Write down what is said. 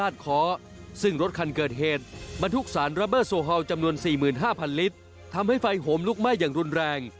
ถึง๑๕๐๐๐ลิตรทำให้ไฟห่มลุกไหม้อย่างรุนแรง